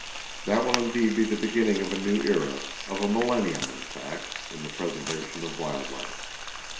That will indeed be the beginning of a new era, of a millennium in fact, in the preservation of wild life.